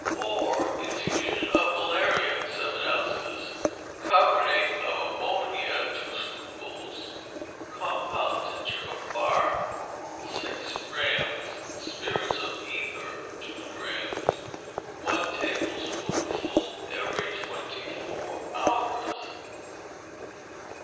Or, infusion of valerian, seven ounces; carbonate of ammonia, two scruples; compound tincture of bark, six drachms; spirits of ether, two drachms: one tablespoonful every twenty four hours.